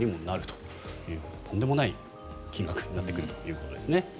とんでもない金額になってくるということですね。